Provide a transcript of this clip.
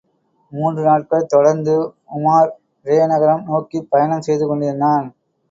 மூன்று நாட்கள் தொடர்ந்து உமார் ரே நகரம் நோக்கிப் பயணம் செய்து கொண்டிருந்தான்.